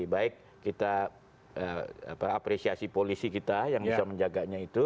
baik kita apresiasi polisi kita yang bisa menjaganya itu